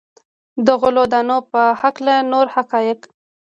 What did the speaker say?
د غلو دانو په هکله نور حقایق.